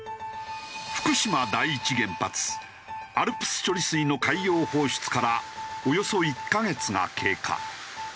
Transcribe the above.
福島第一原発ＡＬＰＳ処理水の海洋放出からおよそ１カ月が経過。